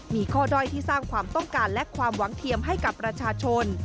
มีข้อด้อยที่สร้างความต้องการและความหวังเทียมให้กับประชาชน